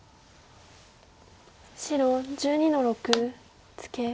白１２の六ツケ。